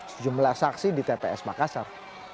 sejumlah saksi di tps makassar